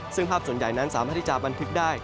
ซึ่งภาพส่วนใหญ่นั้นสามารถที่จะบันทึกได้